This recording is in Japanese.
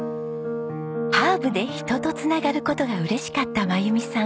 ハーブで人と繋がる事が嬉しかった真由美さん。